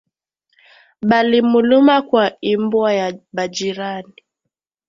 Bali muluma kwa imbwa ya ba jirani